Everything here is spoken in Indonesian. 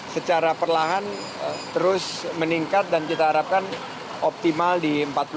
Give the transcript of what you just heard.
secara perlahan terus meningkat dan kita harapkan optimal di empat puluh lima